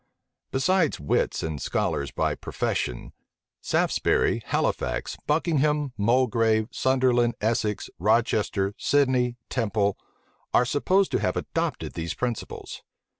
Besides wits and scholars by profession, Saftesbury, Halifax, Buckingham, Mulgrave, Sunderland Essex, Rochester, Sidney, Temple, are supposed to have adopted these principles.